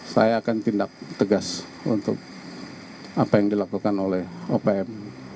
saya akan tindak tegas untuk apa yang dilakukan oleh opm